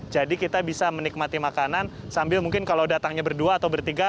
jadi kita bisa menikmati makanan sambil mungkin kalau datangnya berdua atau bertiga